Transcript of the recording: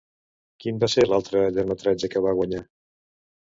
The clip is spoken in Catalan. Quin va ser l'altre llargmetratge que va guanyar?